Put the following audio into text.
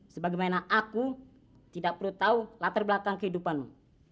sebagaimana aku tidak perlu tahu latar belakang kehidupanmu